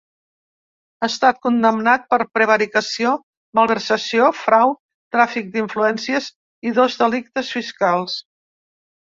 Ha estat condemnat per prevaricació, malversació, frau, tràfic d’influències i dos delictes fiscals.